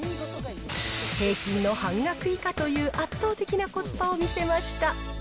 平均の半額以下という圧倒的なコスパを見せました。